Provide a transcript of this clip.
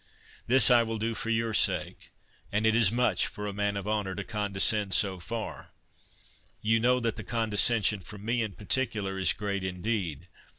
—This I will do for your sake, and it is much for a man of honour to condescend so far—You know that the condescension from me in particular is great indeed.